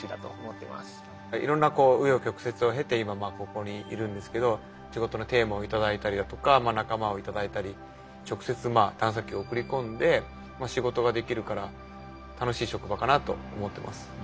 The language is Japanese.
いろんな紆余曲折を経て今ここにいるんですけど仕事のテーマを頂いたりだとか仲間を頂いたり直接探査機を送り込んで仕事ができるから楽しい職場かなと思ってます。